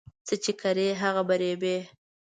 څه چې کرې هغه په رېبې